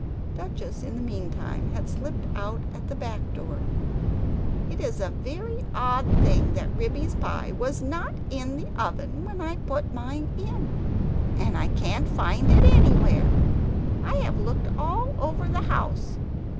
Duchess in the meantime, had slipped out at the back door. "It is a very odd thing that Ribby's pie was NOT in the oven when I put mine in! And I can't find it anywhere; I have looked all over the house.